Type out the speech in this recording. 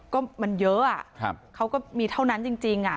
ก็มันเยอะอ่ะครับเขาก็มีเท่านั้นจริงจริงอ่ะ